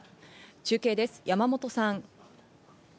中継です、山本さん。